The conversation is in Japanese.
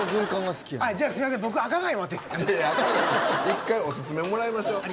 一回オススメもらいましょう。